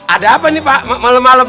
ada apa nih pak malem malem